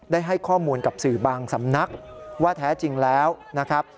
ได้ให้ข้อมูลกับสื่อบางสำนักว่าแท้จริงแล้วนะครับ